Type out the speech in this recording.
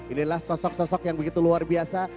inilah sosok sosok yang begitu luar biasa